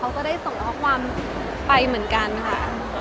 ก็ได้ส่งข้อความไปเหมือนกันค่ะ